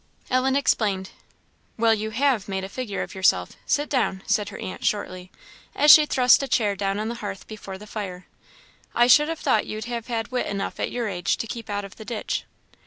Ellen explained. "Well, you have made a figure of yourself! Sit down!" said her aunt, shortly, as she thrust a chair down on the hearth before the fire "I should have thought you'd have had wit enough at your age, to keep out of the ditch."